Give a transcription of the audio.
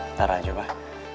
ntar aja pak